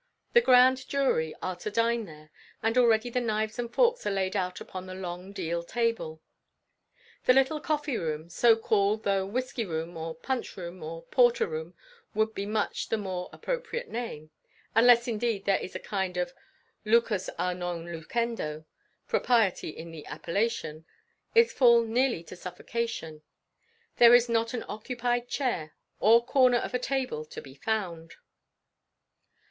The grand jury are to dine there, and already the knives and forks are laid out upon the long deal table. The little coffee room so called, though whiskey room, or punch room, or porter room would be much the more appropriate name, unless indeed there is a kind of "lucus a non lucendo" propriety in the appellation is full nearly to suffocation. There is not an unoccupied chair or corner of a table to be found.